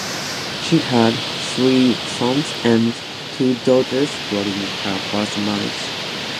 She had three sons and two daughters during her first marriage.